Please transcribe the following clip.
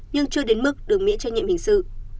nhưng chưa đến mức được miễn trách nhiệm hình sự